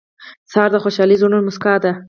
سهار د خوشحال زړونو موسکا ده.